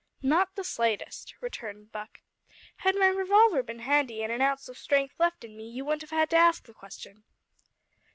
"Not the slightest," returned Buck. "Had my revolver been handy and an ounce of strength left in me, you wouldn't have had to ask the question."